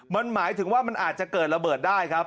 มันหมายถึงว่ามันอาจจะเกิดระเบิดได้ครับ